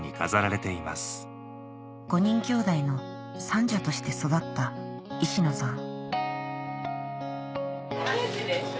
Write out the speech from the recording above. ５人きょうだいの三女として育った石野さん父です。